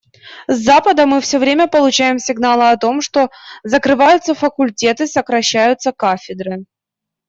С Запада мы все время получаем сигналы о том, что закрываются факультеты, сокращаются кафедры.